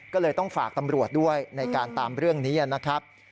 ก็เลยต้องฝากตำรวจด้วยในการตามเรื่องนี้นะครับ